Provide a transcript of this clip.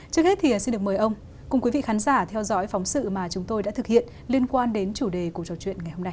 trước hết thì xin được mời ông cùng quý vị khán giả theo dõi phóng sự mà chúng tôi đã thực hiện liên quan đến chủ đề của trò chuyện ngày hôm nay